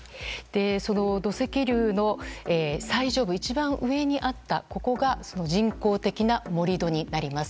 土石流の最上部、一番上にあったここが人工的な盛り土になります。